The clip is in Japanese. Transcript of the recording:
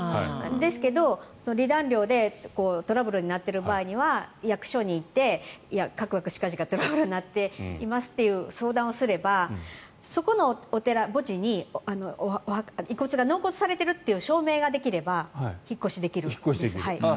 ですけど、離檀料でトラブルになっている場合には役所に行ってかくかくしかじかといって相談をすれば、そこのお寺墓地に遺骨が納骨されているという証明ができれば引っ越しできるんです。